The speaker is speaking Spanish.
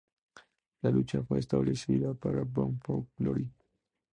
La lucha fue establecida para Bound for Glory.